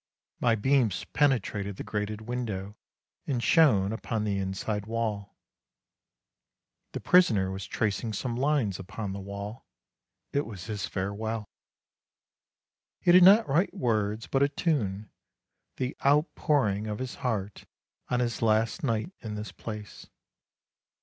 My beams penetrated the grated window, and shone upon the inside wall. The prisoner was tracing some lines upon the wall;' it was his farewell. He did not write words but a tune; the outpouring of his heart on his last night in this place.